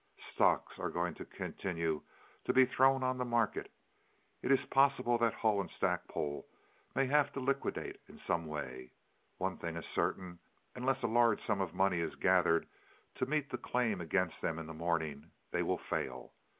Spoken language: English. Stocks are going to continue to be thrown on the market. It is possible that Hull & Stackpole may have to liquidate in some way. One thing is certain: unless a large sum of money is gathered to meet the claim against them in the morning, they will fail.